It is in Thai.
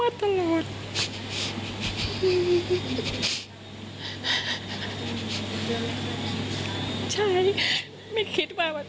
ไม่ตั้งใจครับ